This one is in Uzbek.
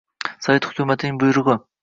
Sovet hukumatining buyrug‘i!